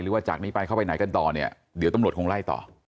ว่าจากนี้ไปเข้าไปไหนกันต่อเนี่ยเดี๋ยวตำรวจคงไล่ต่อ